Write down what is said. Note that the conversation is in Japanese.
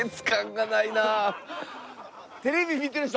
テレビ見てる人